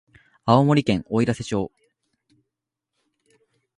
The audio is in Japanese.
青森県おいらせ町